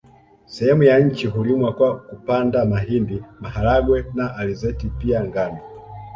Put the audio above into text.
Sehemu ya chini hulimwa kwa kupanda mahindi maharagwe na alizeti pia ngano